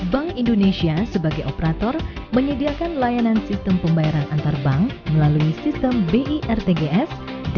bank indonesia sebagai operator menyediakan layanan sistem pembayaran antar bank melalui sistem birtgs